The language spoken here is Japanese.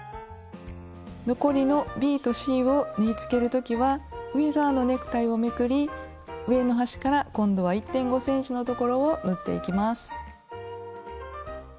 残りのｂとｃを縫いつける時は上側のネクタイをめくり上の端から今度は１．５ｃｍのところを縫っていきます。